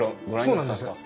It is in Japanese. そうなんですよ。